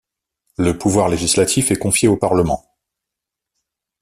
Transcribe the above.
Le pouvoir législatif est confié au Parlement.